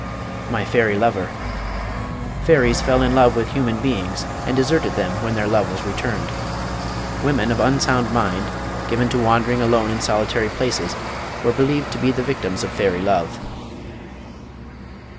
My Fairy Lover. Fairies fell in love with human beings, and deserted them when their love was returned. Women of unsound mind, given to wandering alone in solitary places, were believed to be the victims of fairy love.